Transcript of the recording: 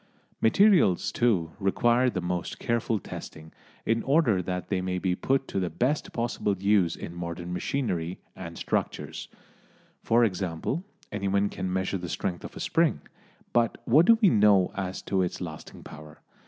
Materials, too, require the most careful testing, in order that they may be put to the best possible use in modern machinery and structures. For example, anyone can measure the strength of a spring, but what do we know as to its lasting power?